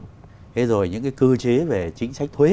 thế rồi những cái cơ chế về chính sách thuế